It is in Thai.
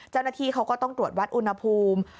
เจ้าหน้าที่เขาก็ต้องตรวจวัดอุณหภูมิ